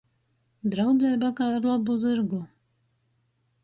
Draudzeiba kai ar lobu zyrgu.